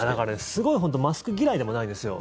すごいマスク嫌いでもないんですよ。